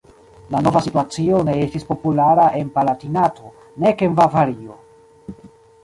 La nova situacio ne estis populara en Palatinato, nek en Bavario.